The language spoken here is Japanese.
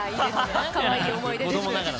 かわいい思い出です。